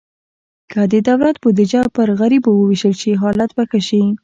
که د دولت بودیجه پر غریبو ووېشل شي، حالت به ښه شي.